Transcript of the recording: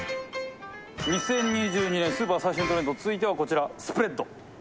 ２０２２年スーパー最新トレンド続いてはこちらスプレッド。